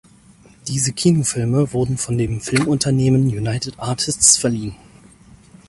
Diese Kinofilme wurden von dem Filmunternehmen United Artists verliehen.